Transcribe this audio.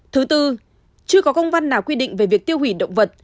thứ tư chưa có công văn nào quy định về việc tiêu hủy động vật